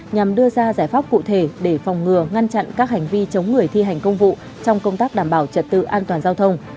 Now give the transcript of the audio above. nhằm đưa ra giải pháp cụ thể để phòng ngừa ngăn chặn các hành vi chống người thi hành công vụ trong công tác đảm bảo trật tự an toàn giao thông